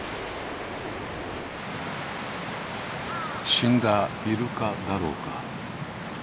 死んだイルカだろうか？